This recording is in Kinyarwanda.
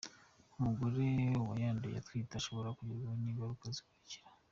Ku mugore wayanduye atwite ashobora kugerwaho n’ingaruka zikurikira:.